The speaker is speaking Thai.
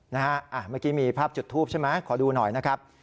เมื่อกี้มีภาพจุดทูปใช่ไหมขอดูหน่อยนะครับ